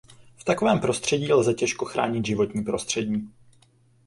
V takovém prostředí lze těžko chránit životní prostředí.